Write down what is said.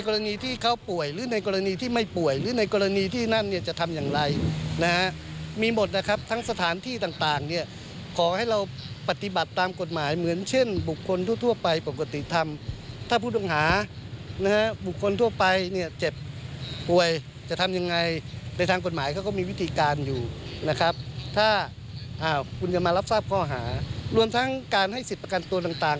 รวมทั้งการให้สิทธิ์ประกันตัวต่าง